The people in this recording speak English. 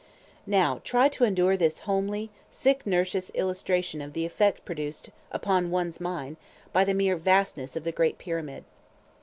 Now try to endure this homely, sick nursish illustration of the effect produced upon one's mind by the mere vastness of the great Pyramid.